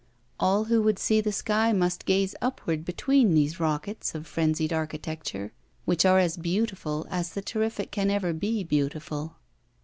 All who would see the sky must gaze upward between these rockets of frenzied architecture, which are as beautiful eLs the terrific can ever be beautiful.